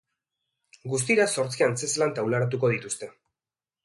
Guztira zortzi antzezlan taularatuko dituzte.